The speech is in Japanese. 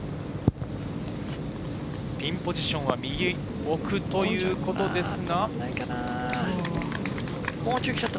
ピンポジションは右奥ということですが。